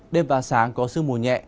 đêm và sáng có sương mù nhẹ